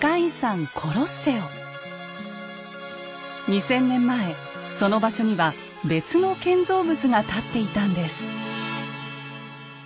２，０００年前その場所には別の建造物が立っていたんです。